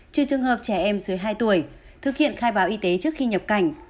trừ trường hợp trẻ em dưới hai tuổi thực hiện khai báo y tế trước khi nhập cảnh